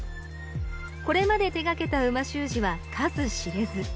これまで手がけた美味しゅう字は数知れず。